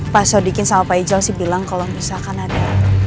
pak sodikin sama pak ical sih bilang kalau misalkan ada